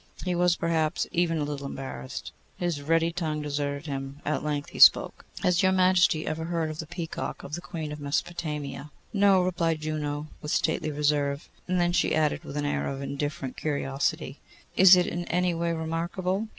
He was, perhaps, even a little embarrassed. His ready tongue deserted him. At length he spoke. 'Has your Majesty ever heard of the peacock of the Queen of Mesopotamia?' 'No,' replied Juno, with stately reserve; and then she added with an air of indifferent curiosity, 'Is it in any way remarkable?